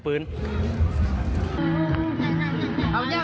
ปืนโดนตัวหน้ากัน